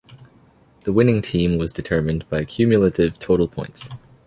The winning team was determined by cumulative total points.